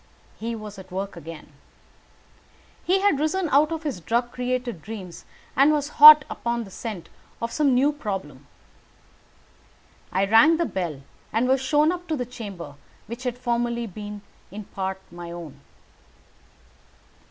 He was at work again. He had risen out of his drug created dreams, and was hot upon the scent of some new problem. I rang the bell, and was shown up to the chamber which had formerly been in part my own.